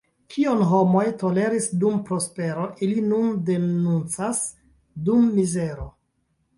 Kion homoj toleris dum prospero, ili nun denuncas dum mizero.